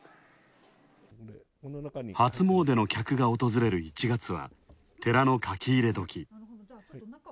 初詣の客が訪れる１月は寺の書き入れ時。